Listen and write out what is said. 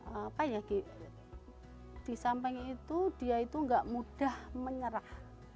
apa ya di samping itu dia itu nggak mudah menyerah